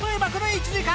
１時間！